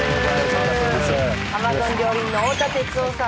アマゾン料理人の太田哲雄さん